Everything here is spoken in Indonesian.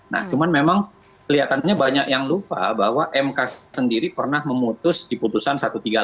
nah cuman memang kelihatannya banyak yang lupa bahwa mk sendiri pernah memutus di putusan satu ratus tiga puluh delapan